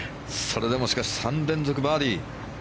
それでも３連続バーディー。